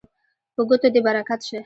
په ګوتو دې برکت شه